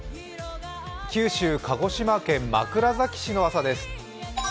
九州・鹿児島県枕崎市の朝です。